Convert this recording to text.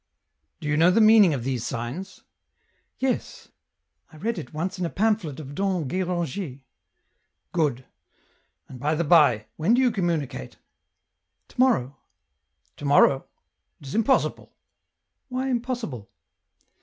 *' Do you know the meaning of these signs ?"" Yes ; I read it once in a pamphlet of Dom Gu^anger." " Good. And, by the bye, when do you communicate ?"" To morrow." " To morrow ; it is impossible !"" Why impossible